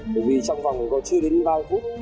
bởi vì trong vòng này có chưa đến ba mươi phút